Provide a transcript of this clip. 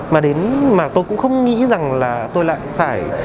mà đến mà tôi cũng không nghĩ rằng là tôi lại phải